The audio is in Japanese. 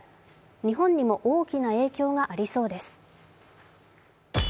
日本にも大きな影響がありそうです。